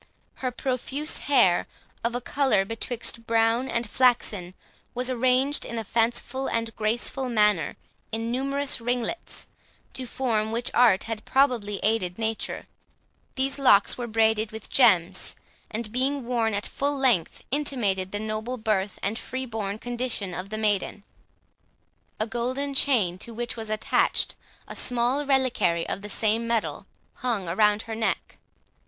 Her profuse hair, of a colour betwixt brown and flaxen, was arranged in a fanciful and graceful manner in numerous ringlets, to form which art had probably aided nature. These locks were braided with gems, and, being worn at full length, intimated the noble birth and free born condition of the maiden. A golden chain, to which was attached a small reliquary of the same metal, hung round her neck.